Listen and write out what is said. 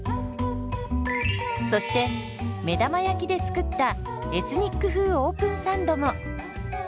そして目玉焼きで作ったエスニック風オープンサンドも。